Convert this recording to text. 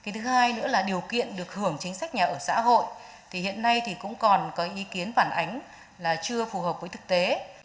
thứ hai nữa là điều kiện được hưởng chính sách nhà ở xã hội thì hiện nay thì cũng còn có ý kiến phản ánh là chưa phù hợp với thực tế